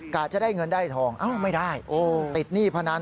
จะได้เงินได้ทองเอ้าไม่ได้ติดหนี้พนัน